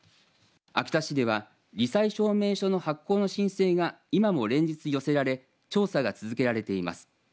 秋田市ではり災証明書の発行の申請が今も連日寄せられ調査が続けられています。